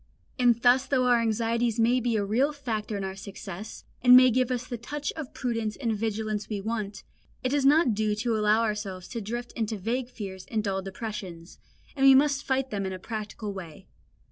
And thus though our anxieties may be a real factor in our success, and may give us the touch of prudence and vigilance we want, it does not do to allow ourselves to drift into vague fears and dull depressions, and we must fight them in a practical way.